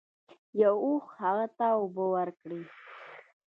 یو اوښ هغه ته اوبه ورکړې.